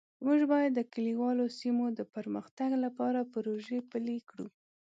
موږ باید د کلیوالو سیمو د پرمختګ لپاره پروژې پلي کړو